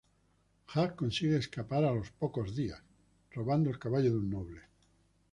Jack consigue escapar al de unos pocos días, robando el caballo de un noble.